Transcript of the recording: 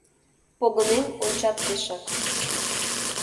Погынен ончат пешак: